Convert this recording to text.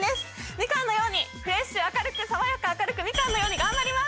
みかんのようにフレッシュ明るく爽やか明るくみかんのように頑張ります